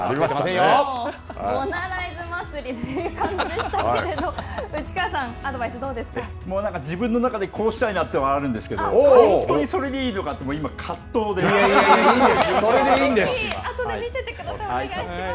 ボナライズ祭りという感じでしたけれども、もうなんか自分の中で、こうしたいというのはありますけど、本当にそれでいいのかって今、葛藤いいんですよ、それでいいんであとで見せてください、お願いします。